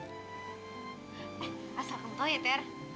eh asal kamu tahu ya ter